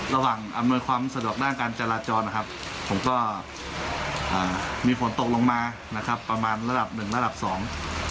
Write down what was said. อำนวยความสะดวกด้านการจราจรนะครับผมก็อ่ามีฝนตกลงมานะครับประมาณระดับหนึ่งระดับสอง